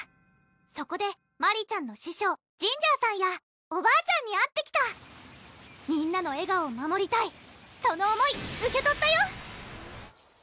そこでマリちゃんの師匠・ジンジャーさんやおばあちゃんに会ってきたみんなの笑顔を守りたいその思い受け取ったよ！